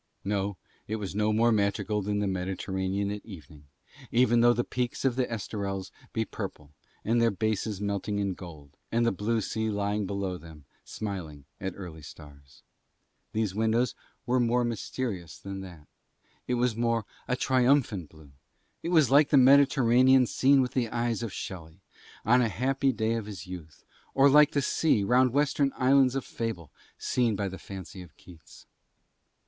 No, it was more magical than the Mediterranean at evening, even though the peaks of the Esterels be purple and their bases melting in gold and the blue sea lying below them smiling at early stars: these windows were more mysterious than that; it was a more triumphant blue; it was like the Mediterranean seen with the eyes of Shelley, on a happy day in his youth, or like the sea round Western islands of fable seen by the fancy of Keats.